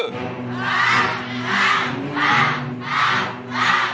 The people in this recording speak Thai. ๓ค่ะ